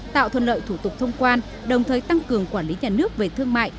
tạo thuận lợi thủ tục thông quan đồng thời tăng cường quản lý nhà nước về thương mại